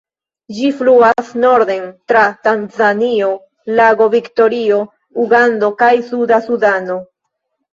Ĝi fluas norden tra Tanzanio, Lago Viktorio, Ugando kaj Suda Sudano.